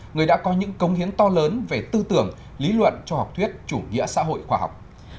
người đã có những công hiến to lớn về tư tưởng lý luận cho học thuyết chủ nghĩa xã hội khoa học